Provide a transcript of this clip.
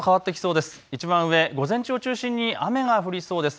いちばん上、午前中を中心に雨が降りそうです。